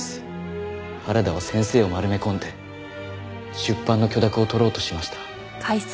原田は先生を丸め込んで出版の許諾をとろうとしました。